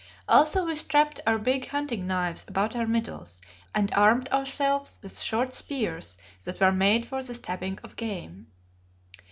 Also we strapped our big hunting knives about our middles and armed ourselves with short spears that were made for the stabbing of game.